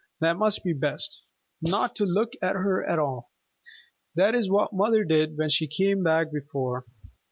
That must be best, not to look at her at all. That is what mother did when she came before.